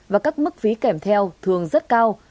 và các mức phí kèm theo thường rất cao